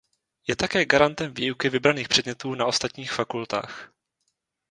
Je také garantem výuky vybraných předmětů na ostatních fakultách.